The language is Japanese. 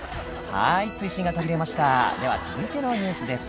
では続いてのニュースです。